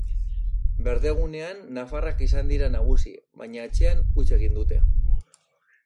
Berdegunean nafarrak izan dira nagusi, baina atzean huts egin dute.